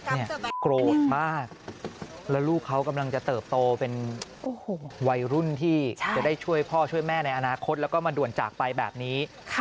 โกรธมากแล้วลูกเขากำลังจะเติบโตเป็นวัยรุ่นที่จะได้ช่วยพ่อช่วยแม่ในอนาคตแล้วก็มาด่วนจากไปแบบนี้